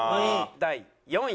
第４位。